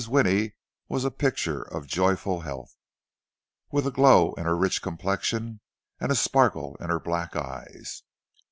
Winnie was a picture of joyful health, with a glow in her rich complexion, and a sparkle in her black eyes.